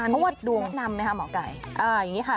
นี่คุณแนะนำไหมคะหมอไก่